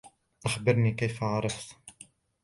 أخبرني, كيف عرفتَ؟